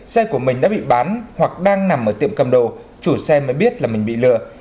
xe của mình đã bị bán hoặc đang nằm ở tiệm cầm đồ chủ xe mới biết là mình bị lừa